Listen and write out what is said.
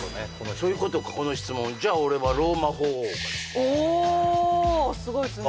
そういうことかこの質問じゃあ俺はローマ法王かなおすごいですね